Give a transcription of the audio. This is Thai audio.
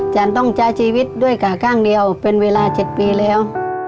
ฉันต้องใช้ชีวิตด้วยกาข้างเดียวเป็นเวลา๗ปีแล้ว